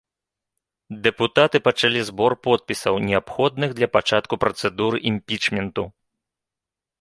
Дэпутаты пачалі збор подпісаў, неабходных для пачатку працэдуры імпічменту.